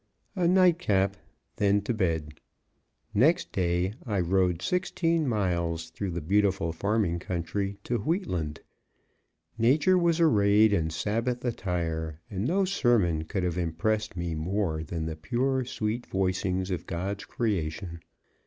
A "night cap," then to bed. Next day I rode sixteen miles, through the beautiful farming country to Wheatland. Nature was arrayed in Sabbath attire, and no sermon could have inpressed me more than the pure, sweet voicings of God's creation.